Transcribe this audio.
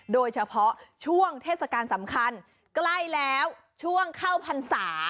โดยเฉพาะช่วงเทศกาลสำคัญใกล้แล้วช่วงเข้าพรรษา